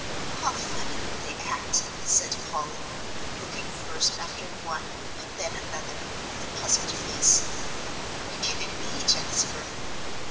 "How funnily they act," said Polly, looking first after one and then another, with a puzzled face. "What can it be, Jasper?"